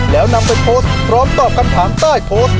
แล้วนำไปโพสต์พร้อมตอบคำถามใต้โพสต์